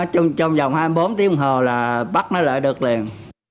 trong vòng hai mươi bốn tiếng hồ là bắt nó lại được liền